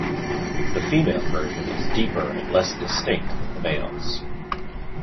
The female version is deeper and less distinct than the male's.